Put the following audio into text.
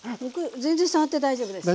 全然触って大丈夫です。